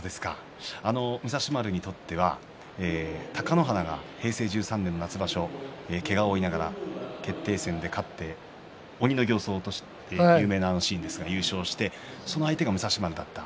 武蔵丸にとっては貴乃花が平成１３年の夏場所けがを負いながら決定戦で勝って鬼の形相として有名なあのシーンですけれども優勝してその相手が武蔵丸だった。